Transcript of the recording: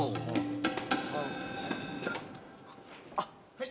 はい。